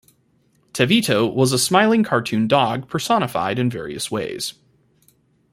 Tevito was a smiling cartoon dog personified in various ways.